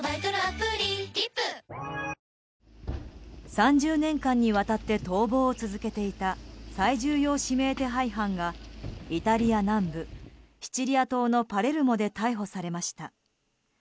３０年間にわたって逃亡を続けていた最重要指名手配犯がイタリア南部シチリア島のパレルモで逮捕されました。